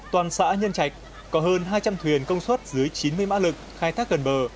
toàn xã nhân trạch có hơn hai trăm linh thuyền công suất dưới chín mươi mã lực khai thác gần bờ